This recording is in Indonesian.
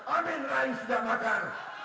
amin rais tidak makan